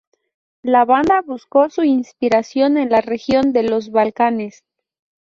La banda buscó su inspiración en la región de los balcanes